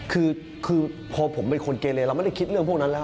คือพอผมเป็นคนเกเลเราไม่ได้คิดเรื่องพวกนั้นแล้ว